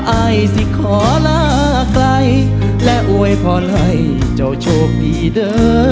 อายสิขอลาไกลและอวยพรให้เจ้าโชคดีเด้อ